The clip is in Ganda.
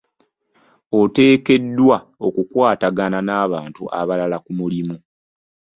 Oteekeddwa okukwatagana n'abantu abalala ku mulimu.